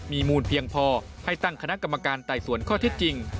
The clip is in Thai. มีมูลเพียงพอให้ตั้งคณะกรรมการไต่สวนข้อเท็จจริง